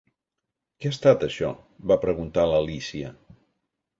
"Què ha estat, això?", va preguntar l'Alícia.